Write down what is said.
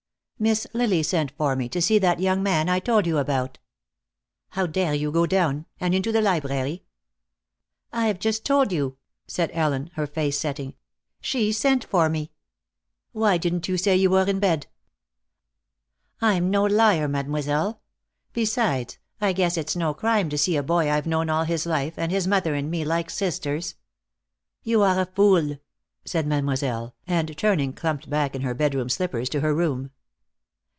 "Miss Lily sent for me, to see that young man I told you about." "How dare you go down? And into the library?" "I've just told you," said Ellen, her face setting. "She sent for me." "Why didn't you say you were in bed?" "I'm no liar, Mademoiselle. Besides, I guess it's no crime to see a boy I've known all his life, and his mother and me like sisters." "You are a fool," said Mademoiselle, and turning clumped back in her bedroom slippers to her room.